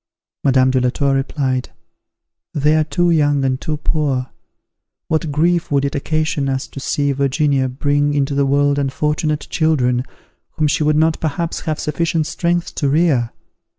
Madame de la Tour replied, "They are too young and too poor. What grief would it occasion us to see Virginia bring into the world unfortunate children, whom she would not perhaps have sufficient strength to rear!